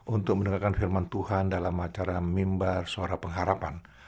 untuk mendengarkan firman tuhan dalam acara mimbar suara pengharapan